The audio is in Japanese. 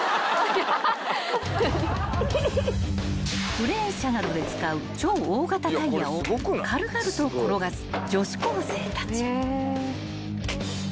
［クレーン車などで使う超大型タイヤを軽々と転がす女子高生たち］